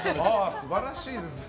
素晴らしいですね。